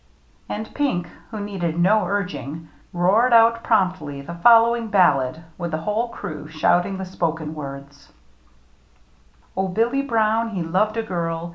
" And Pink, who needed no urging, roared out promptly the following ballad, with the whole crew shouting the spoken words :— Oh, Billy Brown he loved a girl.